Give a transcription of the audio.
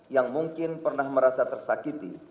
yang mungkin pernah merasa tersakiti